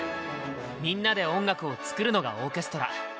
みんなで音楽を作るのがオーケストラ。